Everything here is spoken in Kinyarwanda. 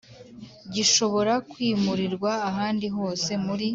Gishobora kwimurirwa ahandi hose muri